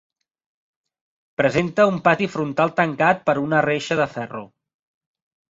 Presenta un pati frontal tancat per una reixa de ferro.